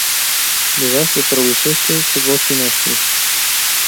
Deja se prăbușește sub ochii noștri.